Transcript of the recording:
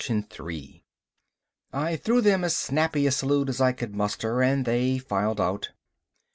I threw them as snappy a salute as I could muster and they filed out.